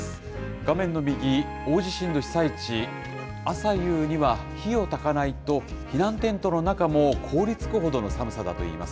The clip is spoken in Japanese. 画面の右、大地震の被災地、朝夕には火をたかないと、避難テントの中も凍りつくほどの寒さだといいます。